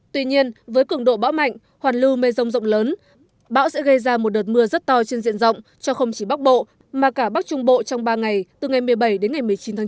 tuy nhiên với cường độ bão mạnh hoàn lưu mây rông rộng lớn bão sẽ gây ra một đợt mưa rất to trên diện rộng cho không chỉ bắc bộ mà cả bắc trung bộ trong ba ngày từ ngày một mươi bảy đến ngày một mươi chín tháng chín